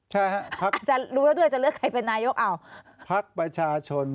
ใช่ฮะพักอาจจะรู้แล้วด้วยจะเลือกใครเป็นนายกอ้าวพักประชาชน